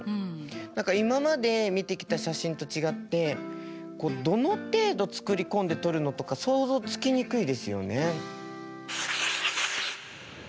何か今まで見てきた写真と違ってどの程度作り込んで撮るのとか想像つきにくいですよね。